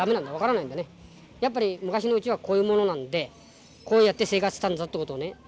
やっぱり昔のうちはこういうものなのでこうやって生活したんだぞってことをね